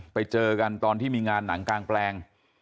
ไปเจอกันตอนที่มีงานหนังกลางแปลง